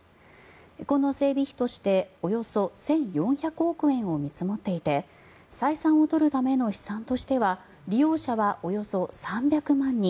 この整備費としておよそ１４００億円を見積もっていて採算を取るための試算としては利用者はおよそ３００万人。